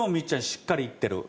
しっかり行ってる。